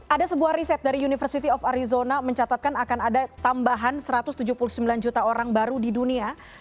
ada sebuah riset dari university of arizona mencatatkan akan ada tambahan satu ratus tujuh puluh sembilan juta orang baru di dunia